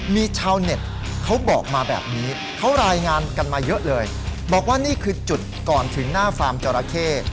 มีชาวเน็ตเขาบอกมาแบบนี้เขารายงานกันมาเยอะเลยบอกว่านี่คือจุดก่อนถึงหน้าฟาร์มจราเข้